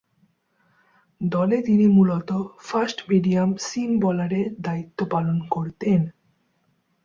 দলে তিনি মূলতঃ ফাস্ট-মিডিয়াম সিম বোলারের দায়িত্ব পালন করতেন।